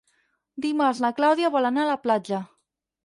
Dimarts na Clàudia vol anar a la platja.